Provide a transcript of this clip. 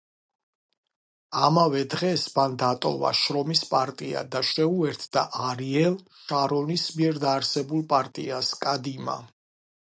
ამავე დღეს მან დატოვა შრომის პარტია და შეუერთდა არიელ შარონის მიერ დაარსებულ პარტიას „კადიმა“.